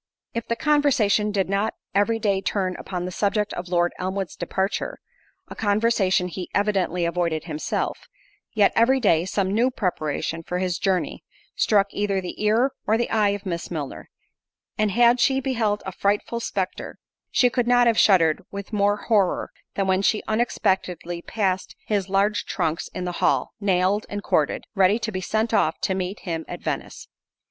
If the conversation did not every day turn upon the subject of Lord Elmwood's departure—a conversation he evidently avoided himself—yet, every day, some new preparation for his journey, struck either the ear or the eye of Miss Milner—and had she beheld a frightful spectre, she could not have shuddered with more horror, than when she unexpectedly passed his large trunks in the hall, nailed and corded, ready to be sent off to meet him at Venice.